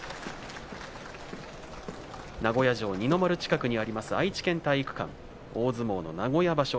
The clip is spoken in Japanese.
名古屋城二の丸近くにある愛知県体育館大相撲の名古屋場所